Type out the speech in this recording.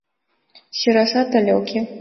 «Сӧрасат але уке?